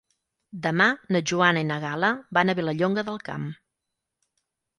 Demà na Joana i na Gal·la van a Vilallonga del Camp.